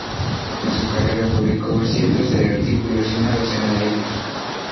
Durante su carrera publicó cientos de artículos y una docena de libros.